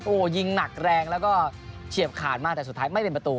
โอ้โหยิงหนักแรงแล้วก็เฉียบขาดมากแต่สุดท้ายไม่เป็นประตู